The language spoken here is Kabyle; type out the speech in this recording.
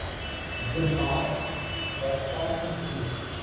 Ddemmar, d aṭṭan uffir.